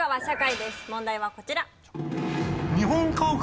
問題はこちら。